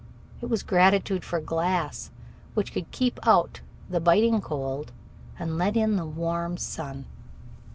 It was gratitude for glass, which could keep out the biting cold and let in the warm sun.